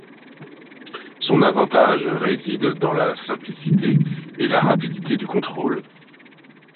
Son avantage réside dans la simplicité et la rapidité du contrôle.